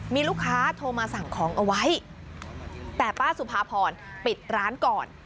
มีลูกค้าโทรมาสั่งของเอาไว้แต่ป้าสุภาพรปิดร้านก่อน